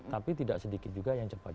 tapi tidak sedikit juga yang cepat